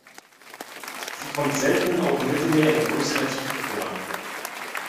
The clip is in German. Sie kommt selten auch im Mittelmeer in größerer Tiefe vor.